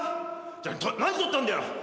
じゃあ何取ったんだよ